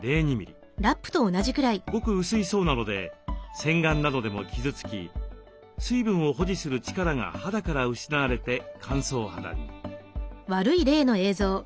ごく薄い層なので洗顔などでも傷つき水分を保持する力が肌から失われて乾燥肌に。